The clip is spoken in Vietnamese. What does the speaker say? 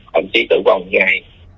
khoảng chí tử vong một ngày